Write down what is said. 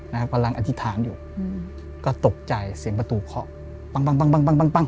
นะครับกำลังอธิษฐานอยู่อืมก็ตกใจเสียงประตูเคาะปังปังปังปังปังปัง